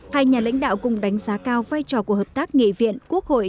hai nhà lãnh đạo cùng đánh giá cao vai trò của hợp tác nghị viện quốc hội